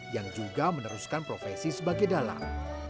yang juga meneruskan profesi sebagai dalang